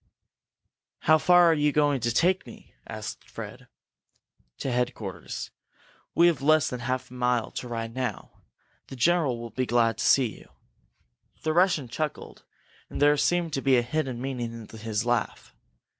"How far are you going to take me?" asked Fred. "To headquarters. We have less than half a mile to ride now. The general will be glad to see you." The Russian chuckled, and there seemed to be a hidden meaning in his laugh.